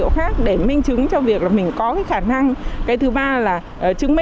xin chào tạm biệt và hẹn gặp lại